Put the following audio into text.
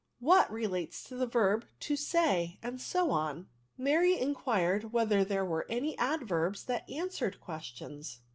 what relates to the verb to say, and so on." Mary inquired whether there were any adverbs that answered questions.